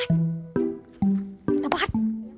ตะปัด